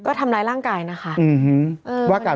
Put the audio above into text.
ก็ทำร้ายร่างกายนะคะ